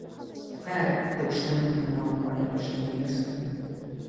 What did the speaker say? آیا که دښمن هم پنا وغواړي پښتون یې نه ساتي؟